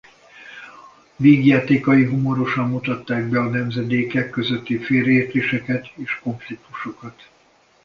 Vígjátékai humorosan mutatták be a nemzedékek közötti félreértéseket és konfliktusokat.